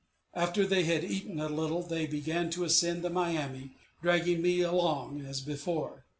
After they had eaten a little, they began to ascend the Miami, dragging me along as before.